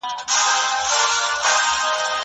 تاریخي څېړنې وخت او دقت ته اړتیا لري.